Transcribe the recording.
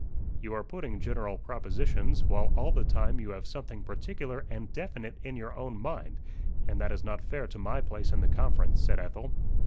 "You are putting general propositions, while all the time you have something particular and definite in your own mind; and that is not fair to my place in the conference," said Ethel.